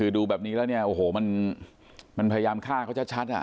ดูแบบนี้แล้วเนี่ยโอ้โหมันพยายามฆ่าเขาชัด